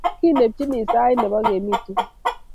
Kinempchini sait nebo kemi tugul